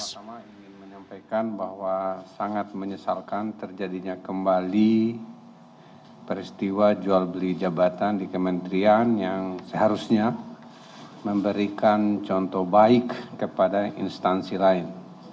saya ingin menyampaikan bahwa sangat menyesalkan terjadinya kembali peristiwa jual beli jabatan di kementerian yang seharusnya memberikan contoh baik kepada instansi lain